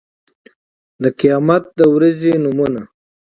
د قيامت د ورځې نومونه